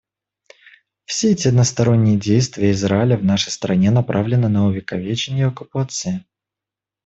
Все эти односторонние действия Израиля в нашей стране направлены на увековечение оккупации.